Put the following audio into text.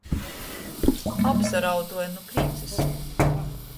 Apsarauduoja nu prīcys.